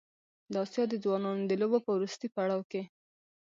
د اسیا د ځوانانو د لوبو په وروستي پړاو کې